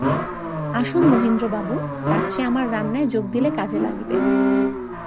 আসুন মহীন্দ্রবাবু, তার চেয়ে আমার রান্নায় যোগ দিলে কাজে লাগিবে।